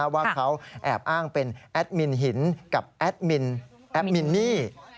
ว่าเขาแอบอ้างเป็นแอดมินหินกับแอดมินแอดมินนี่